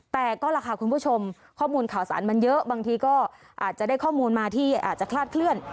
แต่ก็ล่ะค่ะคุณผู้ชมข้อมูลข่าวสารมันเยอะบางทีก็อาจจะได้ข้อมูลมาที่อาจจะคลาดเคลื่อน